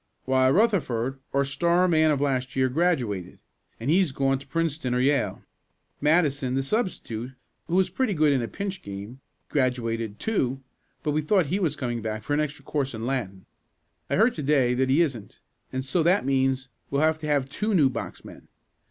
"Why Rutherford, our star man of last year, graduated, and he's gone to Princeton or Yale. Madison, the substitute who was pretty good in a pinch game, graduated, too; but we thought he was coming back for an extra course in Latin. I heard to day that he isn't, and so that means we'll have to have two new box men.